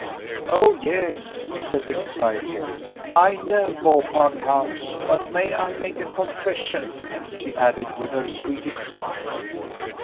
"Oh, yes," said Mrs. Eyrecourt. "I know Beaupark House; but may I make a confession?" she added, with her sweetest smile.